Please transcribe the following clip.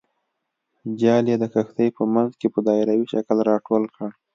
جال یې د کښتۍ په منځ کې په دایروي شکل راټول کړ.